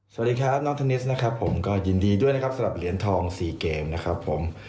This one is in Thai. สวัสดีครับน้องเทนนิสนะครับผมก็ยินดีด้วยนะครับสำหรับเหรียญทอง๔เกมนะครับผม